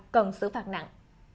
cần xử phạt nặng